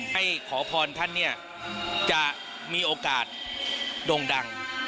ให้ขอพรท่านเนี่ยจะมีโอกาสโด่งดัง